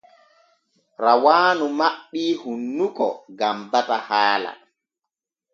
Rawaanu maɓɓii hunnuko gam bata haala.